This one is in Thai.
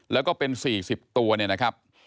แล้วก็เป็น๔๐ตัวเนี่ยนะครับ